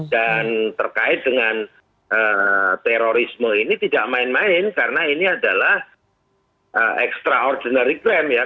dan terkait dengan terorisme ini tidak main main karena ini adalah extraordinary crime ya